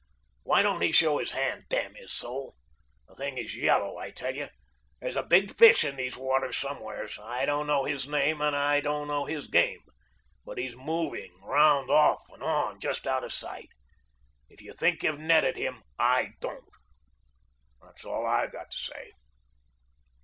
Why don't he show his hand, damn his soul? The thing is yellow, I tell you. There's a big fish in these waters somewheres. I don't know his name, and I don't know his game, but he's moving round off and on, just out of sight. If you think you've netted him, I DON'T, that's all I've got to say."